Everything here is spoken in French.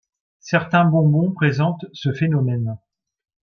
Certains bonbons présentent ce phénomène.